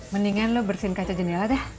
mendingan lu bersihin kaca jendela deh